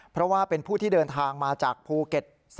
เพราะว่าเป็นผู้ที่เดินทางมาจากภูเก็ต